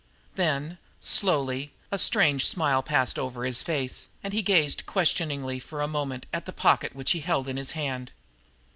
Then, slowly, a strange smile passed over his face, and he gazed questioningly for a moment at the pocket which he held in his hand.